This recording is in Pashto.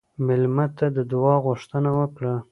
مېلمه ته د دعا غوښتنه وکړه.